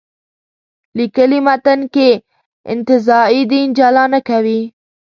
لیکلي متن کې انتزاعي دین جلا نه کوي.